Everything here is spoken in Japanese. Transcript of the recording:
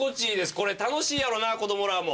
これ楽しいやろな子供らも。